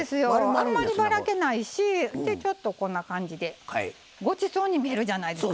あんまりばらけないしでちょっとこんな感じでごちそうに見えるじゃないですか。